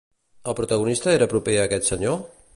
El protagonista era proper a aquest senyor?